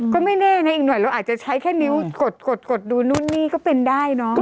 ก็ไม่แน่นะอีกหน่อยเราอาจจะใช้แค่นิ้วกดดูนู่นนี่ก็เป็นได้เนอะ